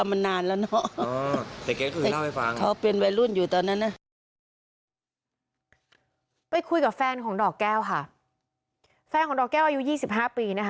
แฟนของดอกแก้วอายุ๒๕ปี